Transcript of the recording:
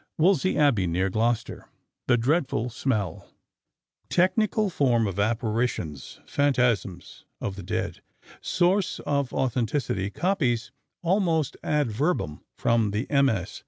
WOLSEY ABBEY, NEAR GLOUCESTER THE DREADFUL SMELL Technical form of apparitions: Phantasms of the dead Source of authenticity: Copies almost ad verbum from the MS.